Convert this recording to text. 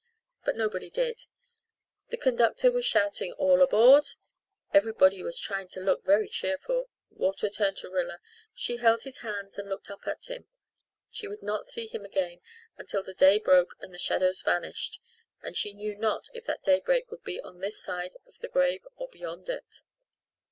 But nobody did; the conductor was shouting "all aboard"; everybody was trying to look very cheerful. Walter turned to Rilla; she held his hands and looked up at him. She would not see him again until the day broke and the shadows vanished and she knew not if that daybreak would be on this side of the grave or beyond it.